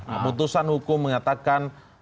keputusan hukum mengatakan